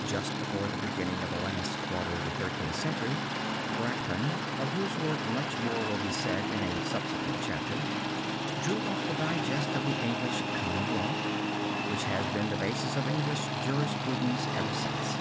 Just before the beginning of the last quarter of the Thirteenth Century, Bracton, of whose work much more will be said in a subsequent chapter, drew up the digest of the English Common Law, which has been the basis of English jurisprudence ever since.